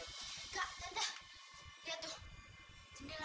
lihat tuh jendelanya